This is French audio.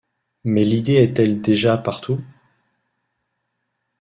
Mais l'id'ee elle est d'ej`a partout.